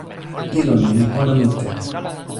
ilo ni li pona mute.